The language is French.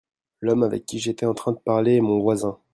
L'homme avec qui j'étais en train de parler est mon voisin.